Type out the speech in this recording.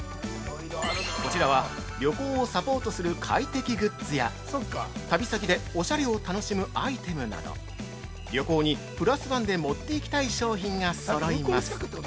こちらは旅行をサポートする快適グッズや、旅先でおしゃれを楽しむアイテムなど、旅行にプラスワンで持っていきたい商品がそろいます。